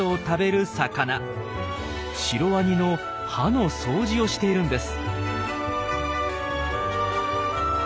シロワニの歯の掃除をしているんです。